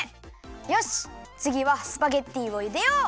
よしつぎはスパゲッティをゆでよう！